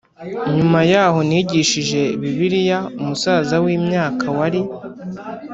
Nyuma yaho nigishije Bibiliya umusaza w imyaka wari